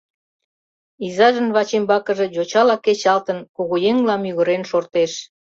Изажын вачӱмбакыже йочала кечалтын, кугыеҥла мӱгырен шортеш.